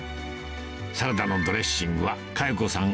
サラダのドレッシングは、香代子さん